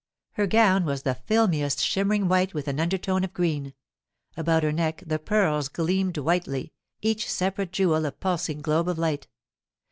Her gown was the filmiest, shimmering white with an undertone of green. About her neck the pearls gleamed whitely, each separate jewel a pulsing globe of light.